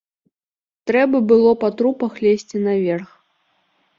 Трэба было па трупах лезці наверх.